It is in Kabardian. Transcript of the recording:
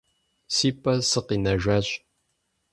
Си пӀэ сыкъинэжащ.